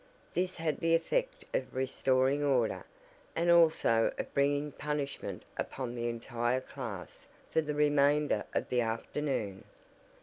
This had the effect of restoring order, and also of bringing punishment upon the entire class for the remainder of the afternoon.